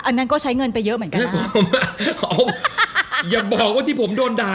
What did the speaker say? อันนั้นก็ใช้เงินไปเยอะเหมือนกันนะผมอย่าบอกว่าที่ผมโดนด่า